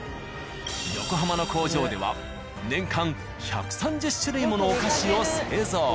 横浜の工場では年間１３０種類ものお菓子を製造。